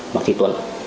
mạc thị tuấn